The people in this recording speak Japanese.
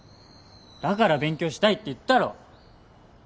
だから勉強したいって言ったろ。